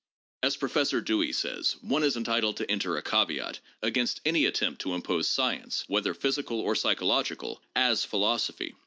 As Professor Dewey says :" One is entitled to enter a caveat against any attempt to impose science, whether physical or psychological, as philosophy.